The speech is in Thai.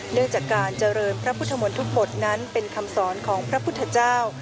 เนื่องจากการเจริญพระพุทธมนตร์ทุกบทนั้นเป็นคำสอนของพระพุทธเจ้า